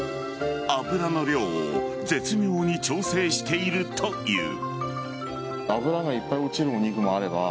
脂の量を絶妙に調整しているという。